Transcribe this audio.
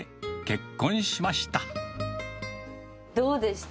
どうでした？